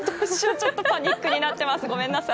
ちょっとパニックになってますごめんなさい。